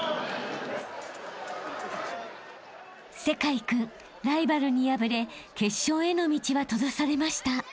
［聖魁君ライバルに敗れ決勝への道は閉ざされました］